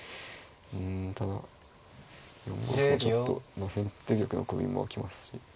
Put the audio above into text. うんただ４五歩もちょっと先手玉のコビンもあきますし。